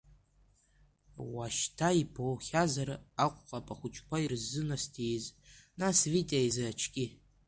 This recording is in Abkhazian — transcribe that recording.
Уашьҭа ибоухьазар акәхап ахәыҷқәа ирзынасҭииз, нас Витиа изы очки.